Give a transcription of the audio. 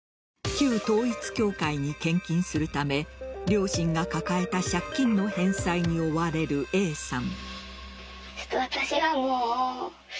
旧統一教会に献金するため両親が抱えた借金の返済に追われるＡさん。